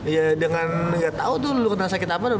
ya dengan ga tau tuh lo kena sakit apa